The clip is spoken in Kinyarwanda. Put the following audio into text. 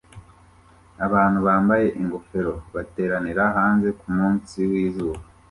Abantu bambaye ingofero bateranira hanze kumunsi wizuba